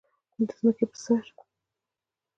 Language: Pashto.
د ځمکې پر سر